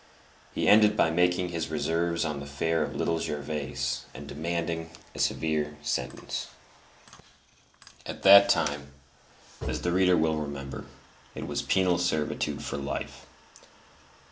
He ended by making his reserves on the affair of Little Gervais and demanding a severe sentence. At that time, as the reader will remember, it was penal servitude for life.